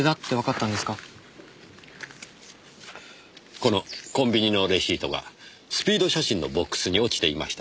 このコンビニのレシートがスピード写真のボックスに落ちていました。